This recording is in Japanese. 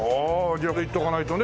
じゃあいっとかないとねえ？